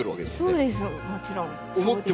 そうですね。